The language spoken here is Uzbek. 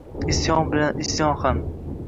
Isyon bilan isyon ham.